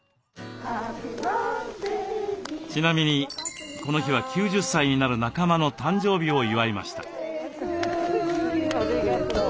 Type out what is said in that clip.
ちなみにこの日は９０歳になる仲間の誕生日を祝いました。